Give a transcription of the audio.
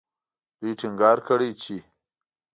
دوی ټینګار کړی چې